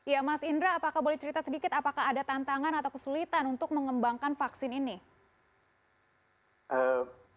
ya mas indra apakah boleh cerita sedikit apakah ada tantangan atau kesulitan untuk mengembangkan vaksin ini